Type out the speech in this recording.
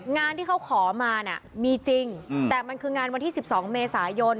งานที่เขาขอมาเนี่ยมีจริงแต่มันคืองานวันที่๑๒เมษายน